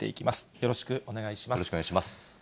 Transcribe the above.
よろしくお願いします。